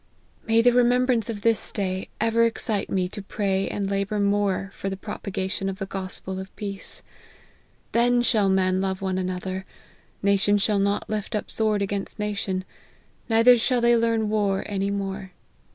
May the remembrance of this clay ever excite me to pray and labour more for the propa gation of the gospel of peace. Then shall men love one another : nation shall not lift up sword against nation, neither shall they learn war any more.